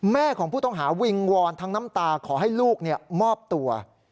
ของผู้ต้องหาวิงวอนทั้งน้ำตาขอให้ลูกมอบตัว